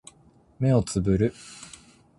目をつぶる